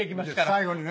最後にね。